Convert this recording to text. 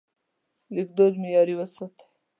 لیکدود معیاري وساتئ.